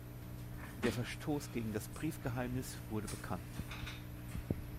Der Verstoß gegen das Briefgeheimnis wurde bekannt.